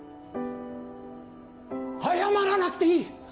謝らなくていい！